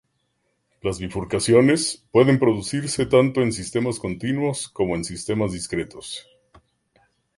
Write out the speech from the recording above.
Las bifurcaciones pueden producirse tanto en sistemas continuos como en sistemas discretos.